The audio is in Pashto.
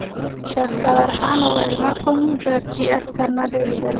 شهسوارخان وويل: ما کوم ګرجۍ عسکر نه دی ليدلی!